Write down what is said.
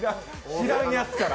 知らんやつから！